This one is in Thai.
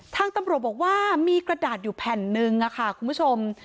ทางตำรวจบอกว่ามีกระดาษอยู่แผ่นนึงค่ะคุณผู้ชม